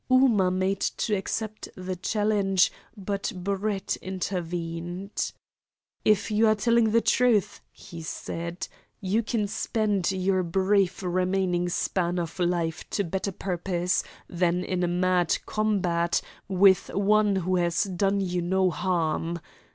Ooma made to accept the challenge, but Brett intervened. "If you are telling the truth," he said, "you can spend your brief remaining span of life to better purpose than in a mad combat with one who has done you no harm.